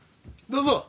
どうぞ。